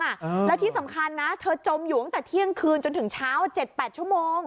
และที่สำคัญเธอจมอยู่ตั้งแต่เที่ยงคืนจนถึงเช้า๗๘ชั่วโมง